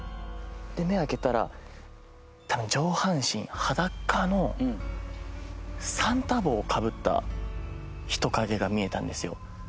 目開けたら多分上半身裸のサンタ帽をかぶった人影が見えたんですよ。